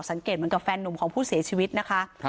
สังเกตเหมือนกับแฟนนุ่มของผู้เสียชีวิตนะคะ